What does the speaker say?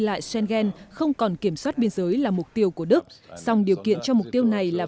lại schengen không còn kiểm soát biên giới là mục tiêu của đức song điều kiện cho mục tiêu này là